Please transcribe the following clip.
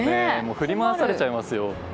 振り回されちゃいますよ。